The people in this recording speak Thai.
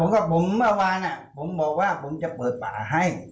ครับผมก็ผมเมื่อวานน่ะผมบอกว่าผมจะเปิดป่าให้